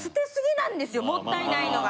もったいないのが。